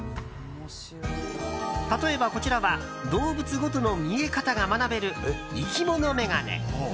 例えばこちらは動物ごとの見え方が学べるいきものメガネ。